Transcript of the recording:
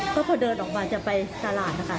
ก็พอเดินออกมาจะไปตลาดนะคะ